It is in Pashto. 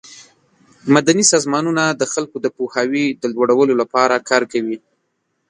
مدني سازمانونه د خلکو د پوهاوي د لوړولو لپاره کار کوي.